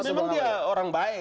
memang dia orang baik